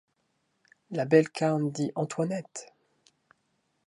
La belle carne dit Antoinette !